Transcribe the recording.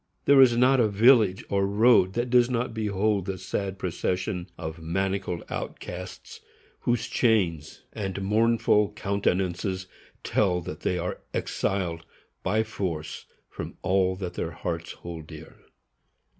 _ There is not a village or road that does not behold the sad procession of manacled outcasts, whose chains and mournful countenances tell that they are exiled by force from all that their hearts hold dear.